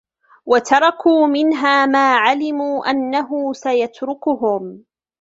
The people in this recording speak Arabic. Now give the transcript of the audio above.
وَتَرَكُوا مِنْهَا مَا عَلِمُوا أَنَّهُ سَيَتْرُكُهُمْ